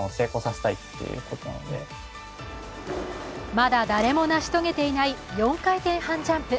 まだ誰も成し遂げていない４回転半ジャンプ。